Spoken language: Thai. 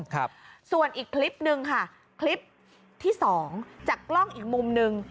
ครับส่วนอีกคลิปหนึ่งค่ะคลิปที่สองจากกล้องอีกมุมหนึ่ง